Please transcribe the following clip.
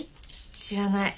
知らない。